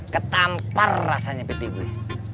ketampar rasanya pipi gue